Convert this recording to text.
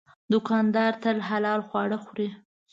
دوکاندار تل حلال خواړه خوري.